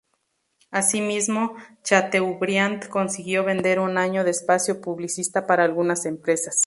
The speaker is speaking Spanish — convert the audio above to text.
Así mismo, Chateaubriand consiguió vender un año de espacio publicista para algunas empresas.